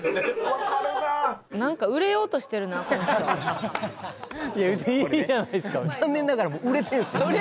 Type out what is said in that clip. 分かるなあいや別にいいじゃないですか残念ながらもう売れてるんすね